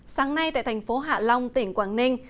sáng nay tại thành phố hạ long tỉnh quảng ninh